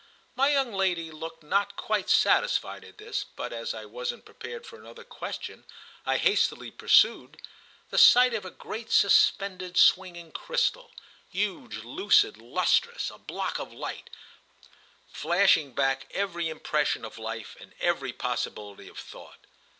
My young lady looked not quite satisfied at this, but as I wasn't prepared for another question I hastily pursued: "The sight of a great suspended swinging crystal—huge lucid lustrous, a block of light—flashing back every impression of life and every possibility of thought!"